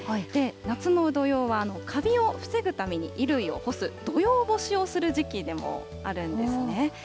夏の土用はかびを防ぐために衣類を干す土用干しをする時期でもあるんですね。